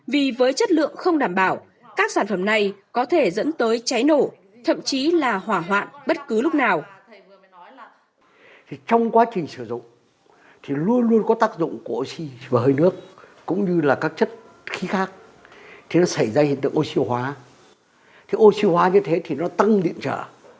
vì với chất lượng không đảm bảo các sản phẩm này có thể dẫn tới cháy nổ thậm chí là hỏa hoạn bất cứ lúc nào